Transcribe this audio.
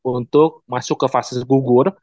untuk masuk ke fase gugur